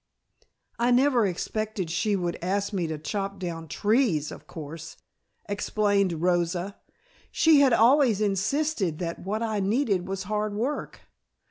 "I never expected she would ask me to chop down trees, of course," explained Rosa. "She had always insisted that what I needed was hard work.